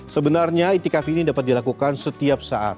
sebenarnya itikaf ini dapat dilakukan setiap saat